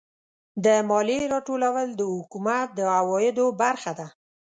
د مالیې راټولول د حکومت د عوایدو برخه ده.